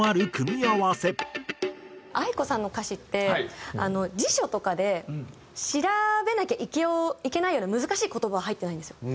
ａｉｋｏさんの歌詞って辞書とかで調べなきゃいけないような難しい言葉は入ってないんですよ。